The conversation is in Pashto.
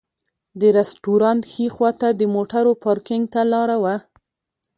د رسټورانټ ښي خواته د موټرو پارکېنګ ته لاره وه.